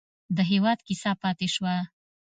د همدرد کیسه پاتې شوه.